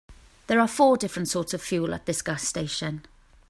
There are four different sorts of fuel at this gas station.